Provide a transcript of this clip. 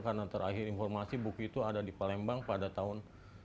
karena terakhir informasi buku itu ada di palembang pada tahun seribu sembilan ratus tiga puluh enam